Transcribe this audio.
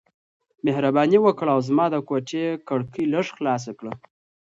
مهرباني وکړه او زما د کوټې کړکۍ لږ خلاص کړه.